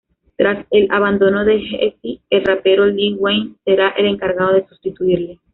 Tras el abandono de Jeezy, el rapero Lil Wayne será el encargado de sustituirle.